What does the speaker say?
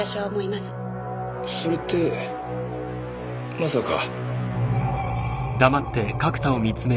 それってまさか。